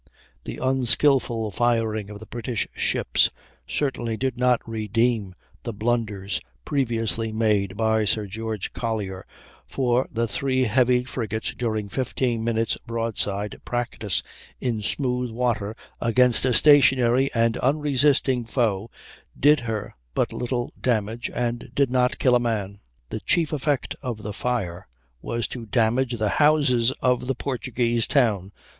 The unskilful firing of the British ships certainly did not redeem the blunders previously made by Sir George Collier, for the three heavy frigates during 15 minutes' broadside practice in smooth water against a stationary and unresisting foe, did her but little damage, and did not kill a man. The chief effect of the fire was to damage the houses of the Portuguese town.